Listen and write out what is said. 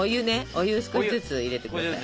お湯少しずつ入れて下さい。